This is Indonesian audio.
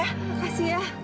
terima kasih ya